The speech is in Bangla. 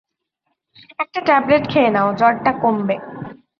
একটা ট্যাবলেট খেয়ে নাও, জ্বরটা কমবে।